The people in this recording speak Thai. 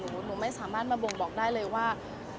หนูไม่สามารถมาบ่งบอกได้เลยว่า